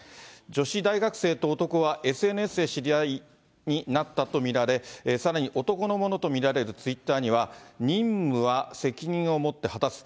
女子大学生と男は、ＳＮＳで知り合いになったと見られ、さらに男のものと見られるツイッターには、任務は責任を持って果たす、